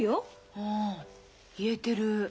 ああ言えてる。